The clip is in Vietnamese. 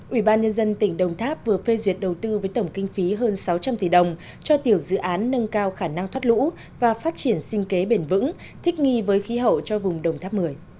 ủy ban nhân dân tỉnh đồng tháp vừa phê duyệt đầu tư với tổng kinh phí hơn sáu trăm linh tỷ đồng cho tiểu dự án nâng cao khả năng thoát lũ và phát triển sinh kế bền vững thích nghi với khí hậu cho vùng đồng tháp một mươi